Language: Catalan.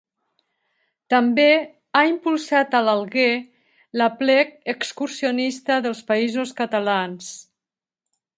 També ha impulsat a l'Alguer l'Aplec Excursionista dels Països Catalans.